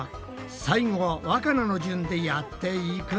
最後はわかなの順でやっていくぞ！